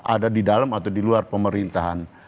ada di dalam atau di luar pemerintahan